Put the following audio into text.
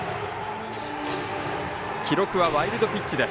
記録はワイルドピッチです。